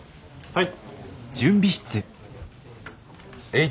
はい。